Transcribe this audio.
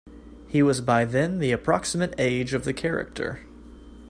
He was by then the approximate age of the character.